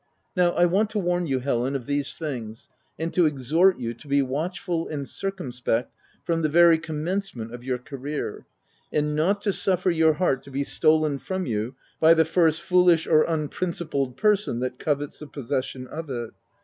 Now I want to warn you, Helen, of these things, and to exhort you to be watchful and circumspect from the very commencement of your career, and not to suffer your heart to be stolen from you by the first foolish or unprincipled person that covets the possession of it.